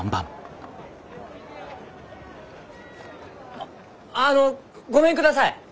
あのごめんください。